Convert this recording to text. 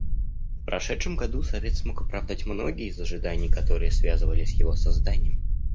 В прошедшем году Совет смог оправдать многие из ожиданий, которые связывались с его созданием.